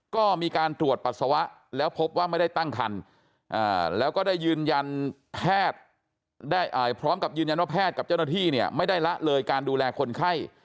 ก็มีการตรวจปัสสาวะแล้วพบว่าไม่ได้ตั้งคันแล้วก็ได้ยืนยันแพทย์ได้พร้อมกับยืนยันว่าแพทย์กับเจ้าหน้าที่เนี่ยไม่ได้ละเลยการดูแลคนไข้